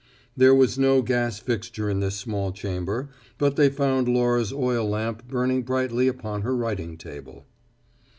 There was no gas fixture in this small chamber; but they found Laura's oil lamp burning brightly upon her writing table.